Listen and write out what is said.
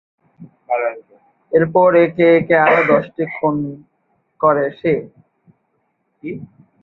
এরপর একে একে আরো দশটি খুন করে সে।